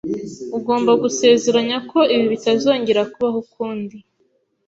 Ugomba gusezeranya ko ibi bitazongera kubaho ukundi.